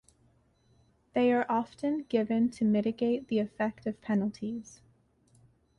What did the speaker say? They are often given to mitigate the effect of penalties.